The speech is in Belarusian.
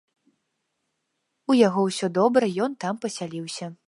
У яго ўсё добра, ён там пасяліўся.